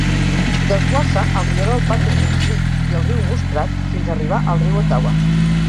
Desguassa al rierol Buttermilk Creek i el riu Muskrat fins arribar al riu Ottawa.